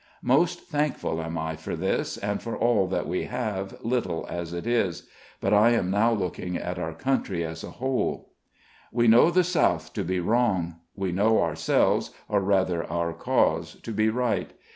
Most thankful am I for this, and for all that we have, little as it is; but I am now looking at our country as a whole. We know the South to be wrong; we know ourselves, or rather, our cause, to be right.